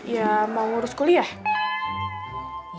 ya mau ngurus kuliah